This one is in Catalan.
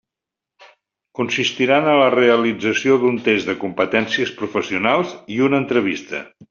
Consistiran a la realització d'un test de competències professionals i una entrevista.